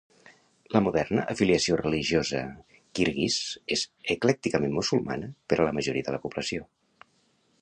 La moderna afiliació religiosa Kyrgyz és eclècticament musulmana per a la majoria de la població.